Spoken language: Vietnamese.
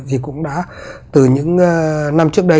thì cũng đã từ những năm trước đây